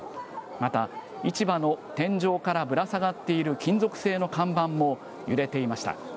また、市場の天井からぶら下がっている金属製の看板も揺れていました。